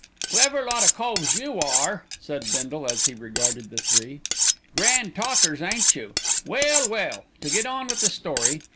"Clever lot o' coves you are," said Bindle as he regarded the three. "Grand talkers, ain't you. Well, well! to get on with the story.